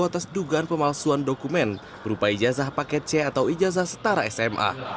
atas dugaan pemalsuan dokumen berupa ijazah paket c atau ijazah setara sma